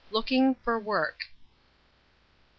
LOOKING FOR WORK. DR.